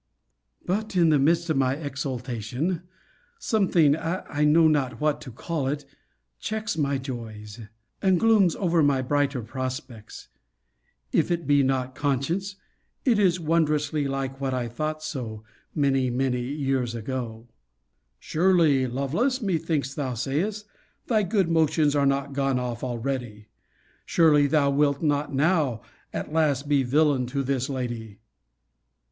But in the midst of my exultation, something, I know not what to call it, checks my joys, and glooms over my brighter prospects: if it be not conscience, it is wondrously like what I thought so, many, many years ago. Surely, Lovelace, methinks thou sayest, thy good motions are not gone off already! Surely thou wilt not now at last be a villain to this lady!